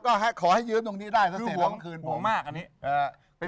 ก็ให้ขอให้ยืนตรงนี้ได้คือห่วงมากอันนี้อ่า